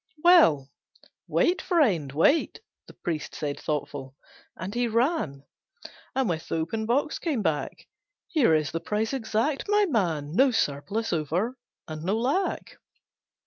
'" "Well, wait, friend, wait!" The priest said thoughtful, and he ran And with the open box came back, "Here is the price exact, my man, No surplus over, and no lack.